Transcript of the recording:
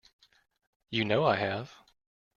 You know I have.